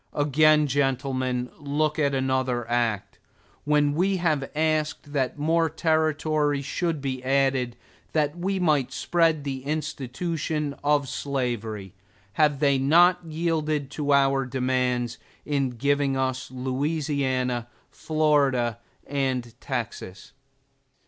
Again, gentlemen, look at another act; when we have asked that more territory should be added, that we might spread the institution of slavery, have they not yielded to our demands in giving us Louisiana, Florida, and Texas?